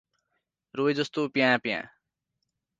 रोएजस्तो प्याँ–प्याँ ।